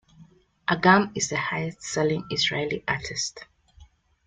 Agam is the highest-selling Israeli artist.